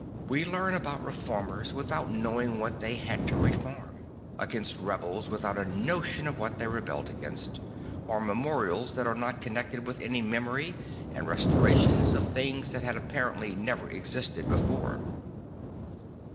We learn about reformers without knowing what they had to reform, about rebels without a notion of what they rebelled against, of memorials that are not connected \vith any memory and restorations of things that had apparently never existed before.